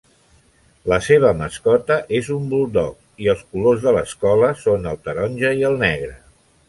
La seva mascota és un buldog i els colors de l'escola són el taronja i el negre.